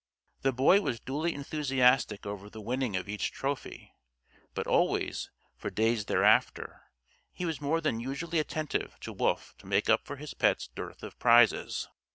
The Boy was duly enthusiastic over the winning of each trophy; but always, for days thereafter, he was more than usually attentive to Wolf to make up for his pet's dearth of prizes.